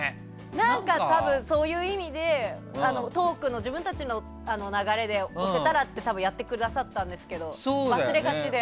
何か、そういう意味で自分たちの流れで押せたらとやってくださったんですけど忘れがちで。